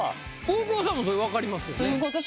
大久保さんもわかりますよね。